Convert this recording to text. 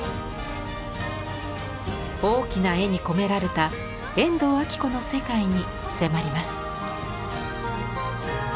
大きな絵に込められた遠藤彰子の世界に迫ります。